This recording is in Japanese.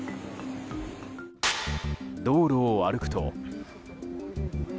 道路を歩くと。